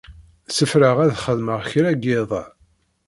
Ssefraɣ ad xedmeɣ kra deg yiḍ-a.